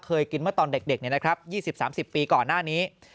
เคยกินเมื่อตอนเด็ก๒๐๓๐ปีก่อนหน้านี้